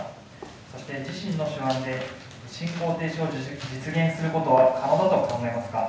そして自身の手腕で侵攻停止を実現することは可能だと考えますか。